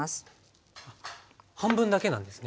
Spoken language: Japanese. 半分だけなんですね。